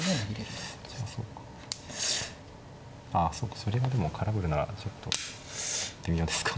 あそっかそれがでも空振るならちょっと微妙ですか。